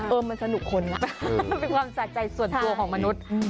เออมันสนุกคนล่ะมันเป็นความสะใจส่วนตัวของมนุษย์